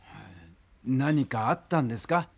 何かあったんですか？